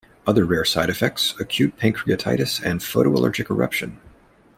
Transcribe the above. Other rare side effects: acute pancreatitis and photoallergic eruption.